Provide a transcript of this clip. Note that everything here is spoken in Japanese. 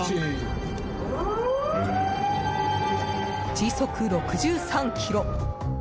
時速６３キロ！